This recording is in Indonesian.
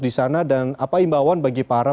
di sana dan apa imbauan bagi para